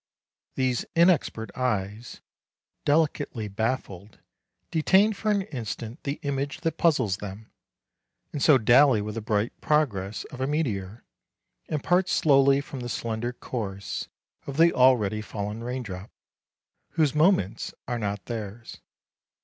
These inexpert eyes, delicately baffled, detain for an instant the image that puzzles them, and so dally with the bright progress of a meteor, and part slowly from the slender course of the already fallen raindrop, whose moments are not theirs.